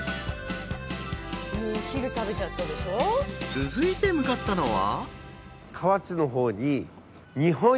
［続いて向かったのは］